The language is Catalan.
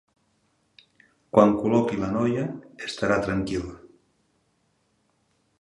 Quan col·loqui la noia, estarà tranquil.